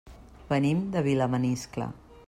Venim de Vilamaniscle.